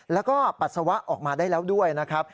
แล้วก็ปัสสาวะออกมาได้แล้วด้วยนะครับ